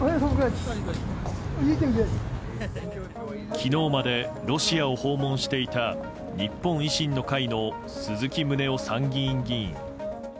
昨日までロシアを訪問していた日本維新の会の鈴木宗男参議院議員。